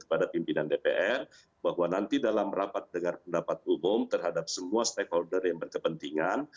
kepada pimpinan dpr bahwa nanti dalam rapat dengar pendapat umum terhadap semua stakeholder yang berkepentingan